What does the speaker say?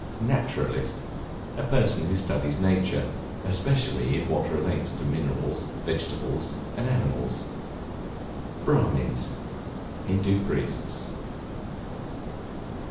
Naturalist, a person who studies nature, especially in what relates to minerals, vegetables, and animals. Brahmins, Hindoo priests.